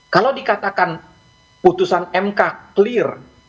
kalau dikatakan putusan mkr